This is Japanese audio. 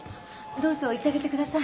どうぞ行ってあげてください。